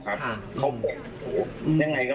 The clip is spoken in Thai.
เขาเหม็นตัวยังไงก็ไม่ใช่